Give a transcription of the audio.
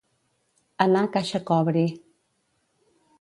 Anar caixa cobri.